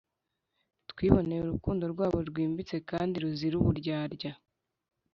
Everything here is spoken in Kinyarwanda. Twiboneye urukundo rwabo rwimbitse kandi ruzira uburyarya